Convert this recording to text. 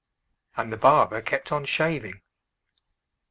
And the barber kept on shaving.